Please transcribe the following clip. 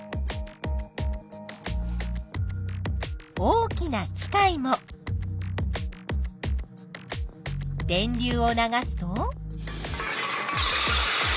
大きな機械も電流を流すと？